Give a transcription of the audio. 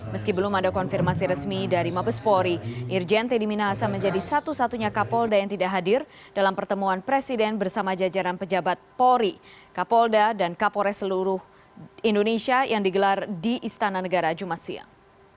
meski belum ada konfirmasi resmi dari mabespori irjen teddy minahasa menjadi satu satunya kapolda yang tidak hadir dalam pertemuan presiden bersama jajaran pejabat polri kapolda dan kapolres seluruh indonesia yang digelar di istana negara jumat siang